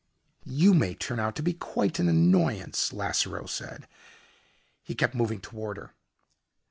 "You may turn out to be quite an annoyance," Lasseroe said. He kept moving toward her.